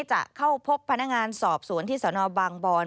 จะเข้าพบพนักงานสอบสวนที่สนบางบอน